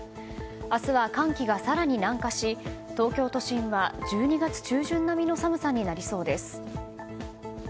明日は寒気が更に南下し東京都心は１２月中旬並みの寒さになりそうです。